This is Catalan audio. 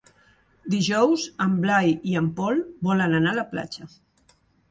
Dijous en Blai i en Pol volen anar a la platja.